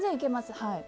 はい。